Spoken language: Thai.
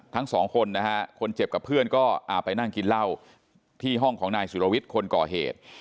ทั้งสองคนนะฮะคนเจ็บกับเพื่อนก็ไปนั่งกินเหล้าที่ห้องของนายสุรวิทย์คนก่อเหตุ